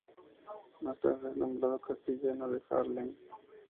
Más tarde es nombrado castellano de Haarlem.